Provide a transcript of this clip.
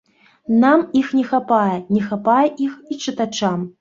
Нам іх не хапае, не хапае іх і чытачам.